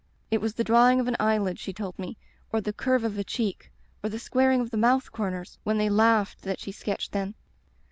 It was the drawing of an eyelid, she told me, or the curve of a cheek or the squaring of the mouth corners when they laughed that she sketched then.